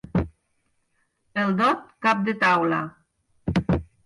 El dot, cap de taula.